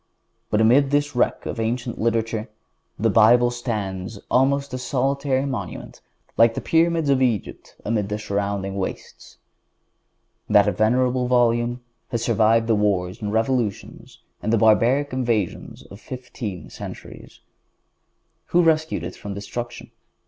But amid this wreck of ancient literature, the Bible stands almost a solitary monument like the Pyramids of Egypt amid the surrounding wastes. That venerable Volume has survived the wars and revolutions and the barbaric invasions of fifteen centuries. Who rescued it from destruction?